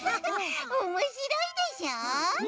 おもしろいでしょ！